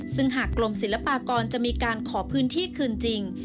ซึ่งหากกรมศิลปากรจะมีการขอพื้นที่คืนจริง